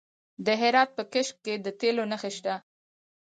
د هرات په کشک کې د تیلو نښې شته.